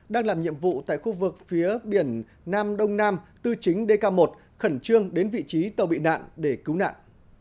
đang làm nhiệm vụ tại khu vực phía biển nam đông nam tư chính dk một khẩn trương đến vị trí tàu bị nạn để cứu nạn